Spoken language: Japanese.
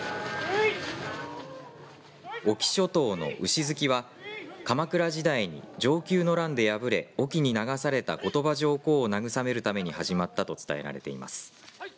隠岐諸島の牛突きは鎌倉時代の承久の乱で敗れ隠岐に流された後鳥羽上皇を慰めるために始まったと伝えられています。